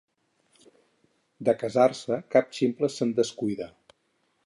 De casar-se, cap ximple se'n descuida.